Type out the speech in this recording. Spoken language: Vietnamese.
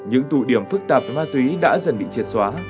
những tù điểm phức tạp và ma túy đã dần bị triệt xóa